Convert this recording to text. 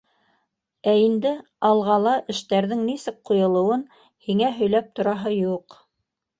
Ә инде «Алға»ла эштәрҙең нисек ҡуйылыуын һиңә һөйләп тораһы юҡ...